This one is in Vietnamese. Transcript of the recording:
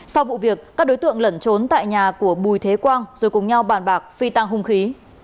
sau vụ việc các đối tượng lẩn trốn tại nhà của bùi thế quang rồi cùng nhau bàn bạc phi tăng hung khí